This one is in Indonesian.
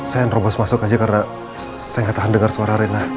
sayang robos masuk aja karena saya gak tahan dengar suara reina